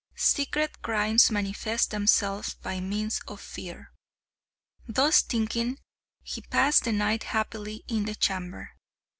Secret crimes manifest themselves by means of fear." Thus thinking, he passed the night happily in the chamber.